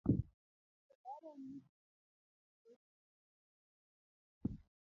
To ber en ni tipo betie kendo rumo